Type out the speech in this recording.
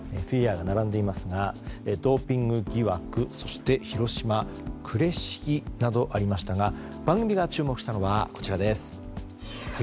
フィギュアが並んでいますがドーピング疑惑そして、広島呉市議などありましたが番組が注目したのはこちらです。